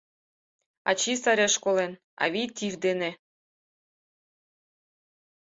Ачий сареш колен, авий — тиф дене.